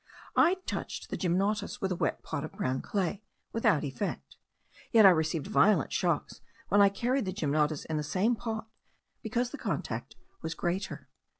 I touched the gymnotus with a wet pot of brown clay, without effect; yet I received violent shocks when I carried the gymnotus in the same pot, because the contact was greater.